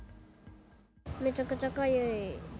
めちゃくちゃかゆい。